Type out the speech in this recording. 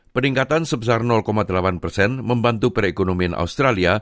peningkatan sebesar delapan persen membantu perekonomian australia